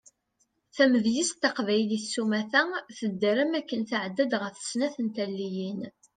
Tamedyazt taqbaylit sumata tedder am waken tɛedda-d ɣef snat n taliyin.